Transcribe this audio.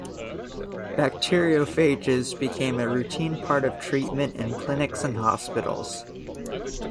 Bacteriophages became a routine part of treatment in clinics and hospitals.